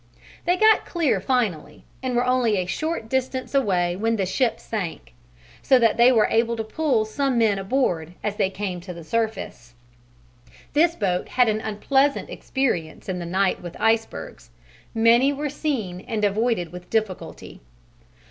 They got clear finally, and were only a short distance away when the ship sank, so that they were able to pull some men aboard as they came to the surface. This boat had an unpleasant experience in the night with icebergs; many were seen and avoided with difficulty.